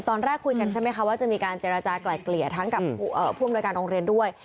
ตอนแรกคุยกันใช่ไหมคะว่าจะมีการเจรจากลายเกลี่ยทั้งกับผู้อำนวยการโรงเรียนด้วย